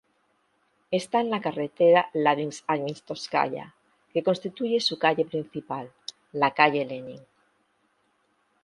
Está en la carretera Labinsk-Ajmetovskaya, que constituye su calle principal, la calle Lenin.